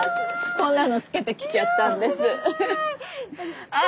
こんなのつけてきちゃったんです。